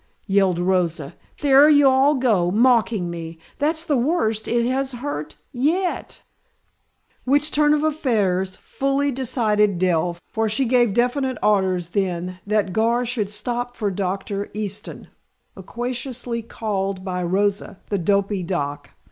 yelled Rosa. "There you all go; mocking me. That's the worst it has hurt yet " Which turn of affairs fully decided Dell, for she gave definite orders then that Gar should stop for Doctor Easton, loquaciously called by Rosa, the dopy doc.